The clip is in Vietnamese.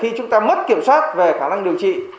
khi chúng ta mất kiểm soát về khả năng điều trị